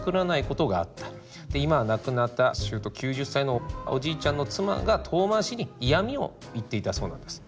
今は亡くなったしゅうと９０歳のおじいちゃんの妻が遠回しに嫌みを言っていたそうなんです。